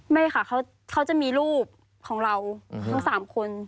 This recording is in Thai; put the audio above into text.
ไม่ค่ะเขาจะมีรูปของเราทั้ง๓คน